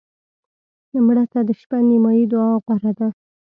مړه ته د شپه نیمایي دعا غوره ده